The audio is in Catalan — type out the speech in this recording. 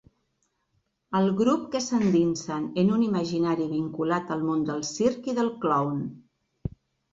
El grup que s’endinsen en un imaginari vinculat al món del circ i del clown.